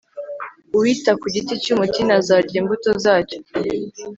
uwita ku giti cy'umutini azarya imbuto zacyo